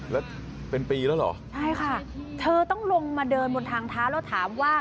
แล้วเป็นปีแล้วเหรอใช่ค่ะเธอต้องลงมาเดินบนทางเท้าแล้วถามว่า